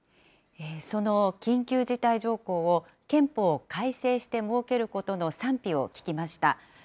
その緊急事態条項を憲法を改正して設けることの賛否を聞きました。